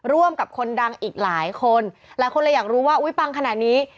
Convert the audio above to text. ร่วมกับคนดังอีกหลายคนหลายคนเลยอยากรู้ว่าอุ๊ยปังขนาดนี้